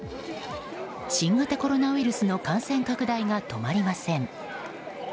新型コロナウイルスの感染拡大が止まりません。